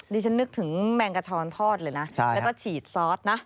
ฉันนึกถึงแมงกระชอนทอดเลยนะแล้วก็ฉีดซอสนะ